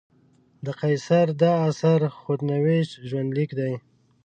د قیصر دا اثر خود نوشت ژوندلیک دی.